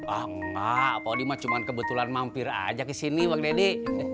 enggak pak odi cuma kebetulan mampir aja ke sini bang deddy